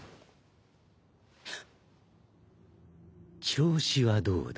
調子はどうだ？